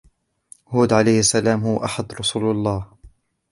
هود عليه السلام هو أحد رسل الله.